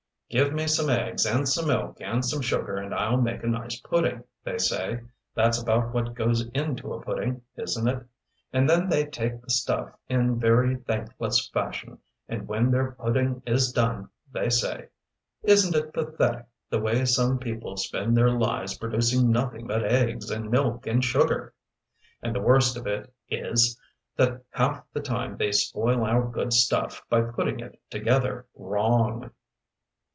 'Give me some eggs and some milk and some sugar and I'll make a nice pudding,' they say that's about what goes into a pudding, isn't it? And then they take the stuff in very thankless fashion, and when their pudding is done, they say 'Isn't it pathetic the way some people spend their lives producing nothing but eggs and milk and sugar?' And the worst of it is that half the time they spoil our good stuff by putting it together wrong."